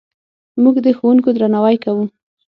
موږ د ښوونکو درناوی کوو.